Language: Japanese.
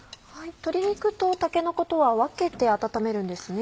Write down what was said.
鶏肉とたけのことは分けて温めるんですね。